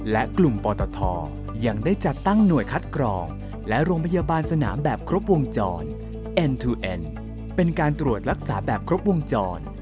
และกลุ่มปตทยังได้จัดตั้งหน่วยคัดกรองและโรงพยาบาลสนามแบบครบวงจรแอนทูแอนด์เป็นการตรวจรักษาแบบครบวงจร